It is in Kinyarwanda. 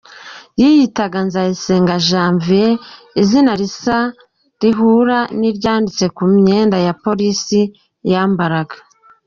Yiyitaga Nzayisenga Janvier, izina risa rihura n’iryanditse ku myenda ya Polisi yambaraga.